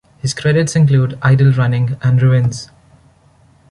His credits include "Idle Running" and "Ruins".